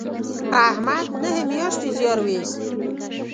احمد نهه میاشتې زیار و ایست